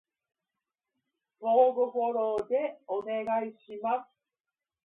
相互フォローでお願いします